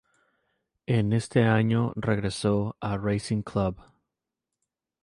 En ese año regresó a Racing Club.